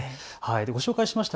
ご紹介しました